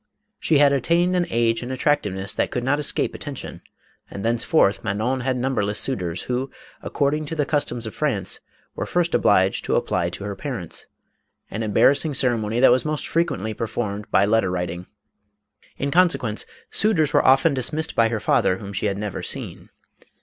She had attained an age and attractiveness that could not escape atten tion, and thenceforth Manon had numberless suitors, who, according to the customs of France, were first obliged to apply to her parents ; an embarrassing cere mony that was most frequently performed by letter writing. In consequence, suitors were often dismissed by her father, whom she had never seen.